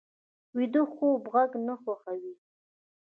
ویده خوب غږ نه خوښوي